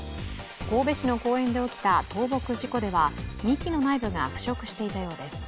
神戸市の公園で起きた倒木事故では幹の内部が腐食していたようです。